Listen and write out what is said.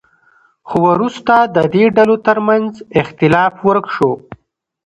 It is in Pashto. خو وروسته د دې ډلو ترمنځ اختلاف ورک شو.